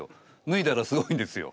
ぬいだらすごいんですよ。